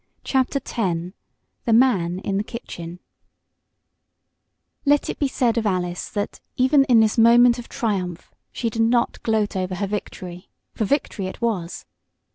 CHAPTER X THE MAN IN THE KITCHEN Let it be said of Alice that, even in this moment of triumph, she did not gloat over her victory for victory it was.